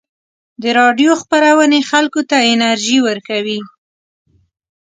د راډیو خپرونې خلکو ته انرژي ورکوي.